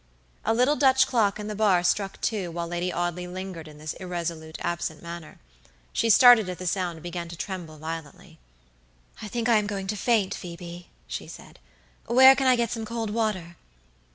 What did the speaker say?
A little Dutch clock in the bar struck two while Lady Audley lingered in this irresolute, absent manner. She started at the sound and began to tremble violently. "I think I am going to faint, Phoebe," she said; "where can I get some cold water?"